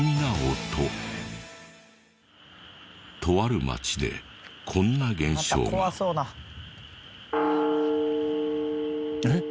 とある町でこんな現象が。えっ？